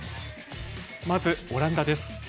まずオランダです。